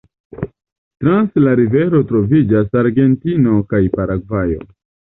Trans la rivero troviĝas Argentino kaj Paragvajo.